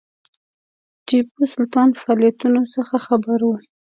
ټیپو سلطان فعالیتونو څخه خبر وو.